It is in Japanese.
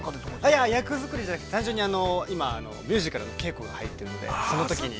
◆いや、役作りではなくて、単純に今、ミュージカルの稽古が入っているので、そのときに。